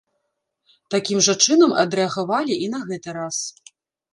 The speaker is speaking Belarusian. Такім жа чынам адрэагавалі і на гэты раз.